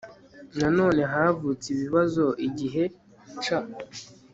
Nanone havutse ibibazo igihe C